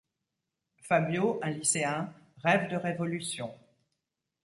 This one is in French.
Fabio, un lycéen, rève de révolution.